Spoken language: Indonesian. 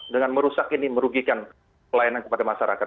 dengan merusak ini merugikan pelayanan kepada masyarakat